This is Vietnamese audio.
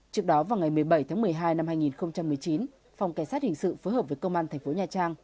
trước đó vào ngày một mươi bảy tháng một mươi hai năm hai nghìn một mươi chín phòng cảnh sát hình sự phối hợp với công an thành phố nha trang